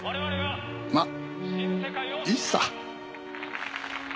まあいいさ。